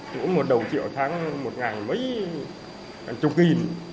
cũng một đầu triệu tháng một ngày mấy càng chục kỳ